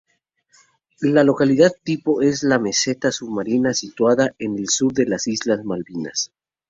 La localidad tipo es la meseta submarina situada al sur de las islas Malvinas.